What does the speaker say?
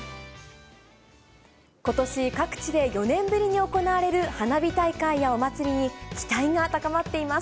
ことし、各地で４年ぶりに行われる花火大会やお祭りに、期待が高まっています。